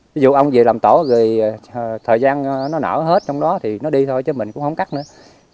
ví dụ ông về làm tổ rồi thời gian nó nở hết trong đó thì nó đi thôi chứ mình cũng không cắt nữa